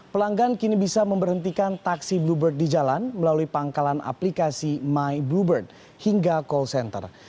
pelanggan kini bisa memberhentikan taksi bluebird di jalan melalui pangkalan aplikasi my bluebird hingga call center